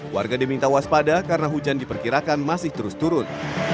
warga diminta waspada karena hujan diperkirakan masih terus turun